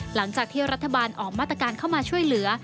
หลังจากที่รัฐบาลออกมาตรการเข้ามาช่วยเหลือ